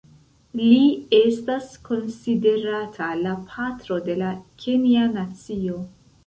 Li estas konsiderata la patro de la kenja nacio.